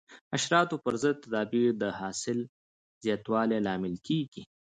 د حشراتو پر ضد تدابیر د حاصل زیاتوالي لامل کېږي.